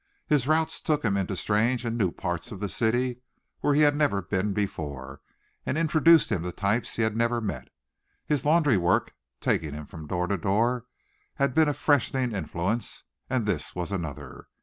His routes took him into strange and new parts of the city, where he had never been before, and introduced him to types he had never met. His laundry work, taking him from door to door, had been a freshening influence, and this was another.